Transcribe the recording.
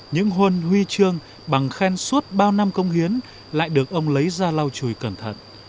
những huân huy trương bằng khen suốt bao năm công hiến lại được ông lấy ra lau chùi cẩn thận